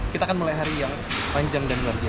kita akan mulai hari yang panjang dan luar biasa